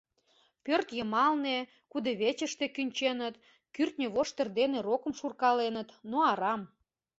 Пӧрт йымалне, кудывечыште кӱнченыт, кӱртньӧ воштыр дене рокым шуркаленыт, но арам.